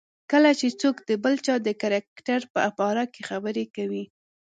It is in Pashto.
کله چې څوک د بل چا د کرکټر په باره کې خبرې کوي.